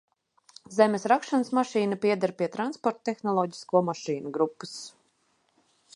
Zemes rakšanas mašīna pieder pie transporta tehnoloģisko mašīnu grupas.